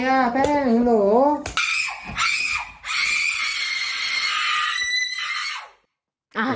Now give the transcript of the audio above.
มึงเป็นไรห่ะแป้งหรือ